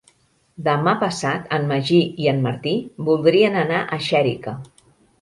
Demà passat en Magí i en Martí voldrien anar a Xèrica.